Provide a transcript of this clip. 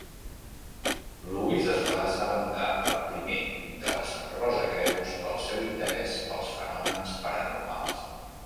Lewis es va assabentar per primer dels rosacreus pel seu interès pels fenòmens paranormals.